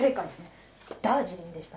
ダージリンでした。